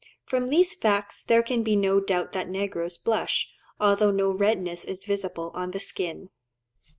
From these facts there can be no doubt that negroes blush, although no redness is visible on the skin.